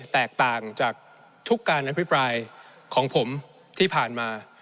แตกต่างจากทุกการอภิปรายของผมที่ผ่านมา